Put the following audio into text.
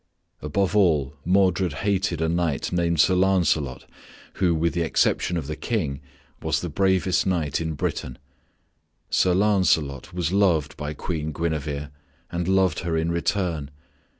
Above all, Modred hated a knight named Sir Lancelot, who, with the exception of the King, was the bravest knight in Britain. Sir Lancelot was loved by Queen Guinevere, and loved her in return.